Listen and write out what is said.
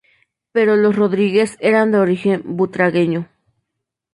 Pero los Rodríguez eran de origen butragueño.